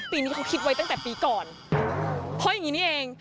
ปีนี้เขาคิดไว้ตั้งแต่ปีก่อนเพราะอย่างนี้นี่เอง